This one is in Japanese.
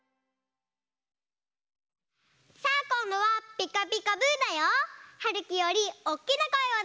さあこんどは「ピカピカブ！」だよ。はるきよりおっきなこえをだしてね！